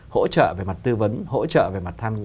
hỗ trợ về mặt tư vấn hỗ trợ về mặt